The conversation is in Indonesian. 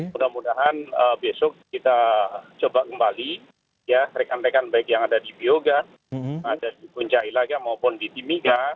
mudah mudahan besok kita coba kembali ya rekan rekan baik yang ada di bioga ada di puncak ilaga maupun di timika